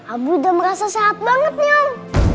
abi udah merasa sehat banget nih om